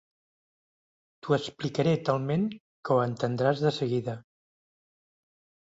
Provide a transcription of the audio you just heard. T'ho explicaré talment que ho entendràs de seguida.